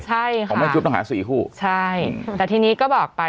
ใช่ค่ะของแม่จุ๊บต้องหาสี่คู่ใช่แต่ทีนี้ก็บอกไป